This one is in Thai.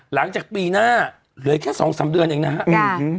หลังจากปีหน้าเหลือแค่สองสามเดือนเองนะครับ